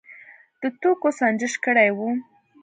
د توکو سنجش کړی و.